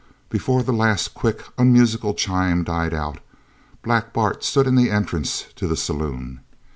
Before the last quick, unmusical chime died out Black Bart stood in the entrance to the saloon.